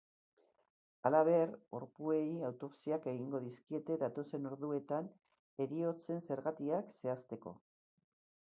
Halaber, gorpuei autopsiak egingo dizkiete datozen orduetan heriotzen zergatiak zehazteko.